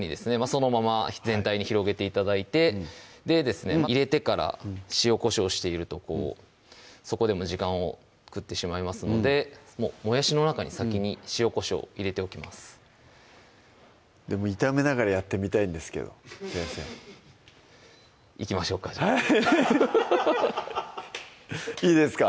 そのまま全体に広げて頂いてでですね入れてから塩・こしょうしているとそこでも時間をくってしまいますのでもうもやしの中に先に塩・こしょう入れておきますでも炒めながらやってみたいんですけど先生いきましょうかじゃあいいですか？